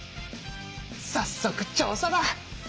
さっそく調査だ！